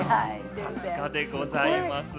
さすがでございます。